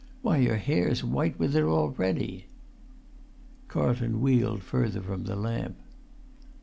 Why, your hair's white with it already!" Carlton wheeled further from the lamp.